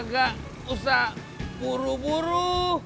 gak usah buru buru